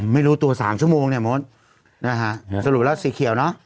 ไม่รู้ตัว๓ชั่วโมงเนี่ยมดนะฮะสรุปแล้วสีเขียวเนอะ